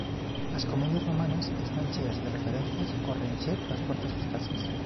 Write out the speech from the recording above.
As comedias romanas están cheas de referencias ao renxer das portas das casas.